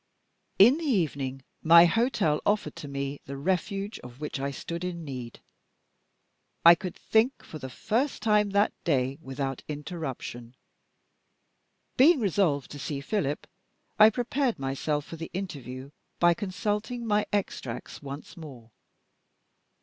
....... In the evening, my hotel offered to me the refuge of which I stood in need. I could think, for the first time that day, without interruption. Being resolved to see Philip, I prepared myself for the interview by consulting my extracts once more.